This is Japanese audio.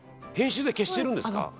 編集で消してるんですか？